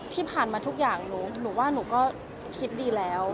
ที่ผ่านมาทุกอย่างหนูว่าหนูก็คิดดีแล้ว